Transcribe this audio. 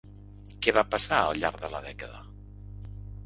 Què va passar al llarg de la dècada?